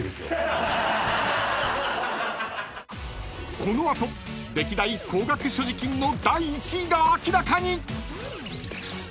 ［この後歴代高額所持金の第１位が明らかに］